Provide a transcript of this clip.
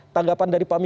tanggapan dari pak miko